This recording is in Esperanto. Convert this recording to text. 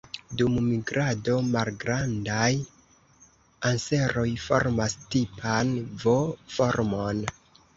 Dum migrado, Malgrandaj anseroj formas tipan V-formon.